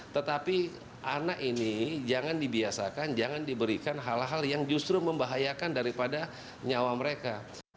tetapi anak ini jangan dibiasakan jangan diberikan hal hal yang justru membahayakan daripada nyawa mereka